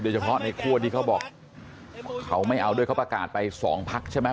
เฉพาะในคั่วที่เขาบอกเขาไม่เอาด้วยเขาประกาศไปสองพักใช่ไหม